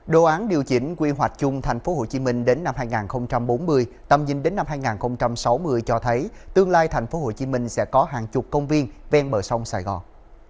đồ án điều chỉnh quy hoạch chung thành phố hồ chí minh đến năm hai nghìn bốn mươi tầm nhìn đến năm hai nghìn sáu mươi cho thấy tương lai thành phố hồ chí minh sẽ có hàng chục công viên ven bờ sông sài gòn